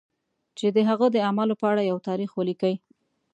چې د هغه د اعمالو په اړه یو تاریخ ولیکي.